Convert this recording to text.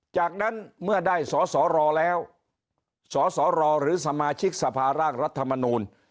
จากนั้นเมื่อได้สอสอรอแล้วสสรหรือสมาชิกสภาร่างรัฐมนูล